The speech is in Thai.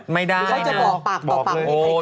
ไม่ได้นะหรือเขาจะบอกปากต่อปากไปกล้าง